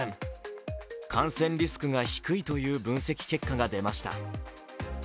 感染リスクが低いという分析結果が出ました。